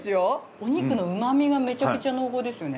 お肉の旨みがめちゃくちゃ濃厚ですよね。